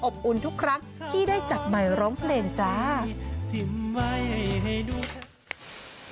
อบอุ่นทุกครั้งที่ได้จัดใหม่ร้องเพลงจ้า